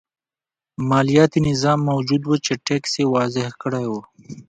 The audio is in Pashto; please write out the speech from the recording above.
مالیاتي نظام موجود و چې ټکس یې وضعه کړی و.